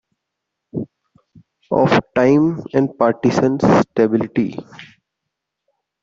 Of time and partisan stability.